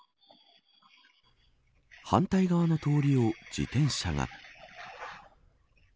反対側の通りを自転車が。